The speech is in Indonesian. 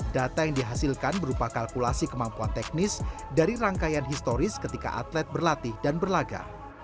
data yang dihasilkan berupa kalkulasi kemampuan teknis dari rangkaian historis ketika atlet berlatih dan berlaga